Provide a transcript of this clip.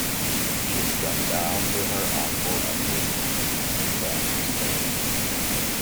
She is gone down to her uncle at Liverpool: gone to stay.